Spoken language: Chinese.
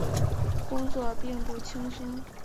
工作并不轻松